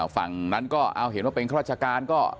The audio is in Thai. ฝั่งนั้นก็เอาเห็นว่าเป็นข้าราชการก็